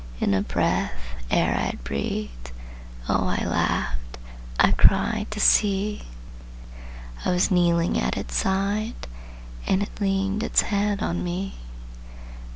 In a breath, ere I had breathed, Oh, I laughed, I cried, to see! I was kneeling at its side, And it leaned its head on me!